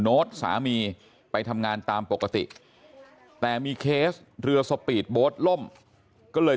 โน้ตสามีไปทำงานตามปกติแต่มีเคสเรือสปีดโบสต์ล่มก็เลย